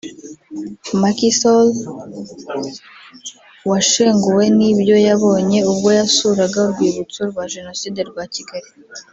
Macky Sall washenguwe n’ibyo yabonye ubwo yasuraga Urwibutso rwa Jenoside rwa Kigali